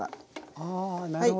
あなるほど。